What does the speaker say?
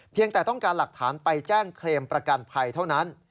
แต่ต้องการหลักฐานไปแจ้งเคลมประกันภัยเท่านั้น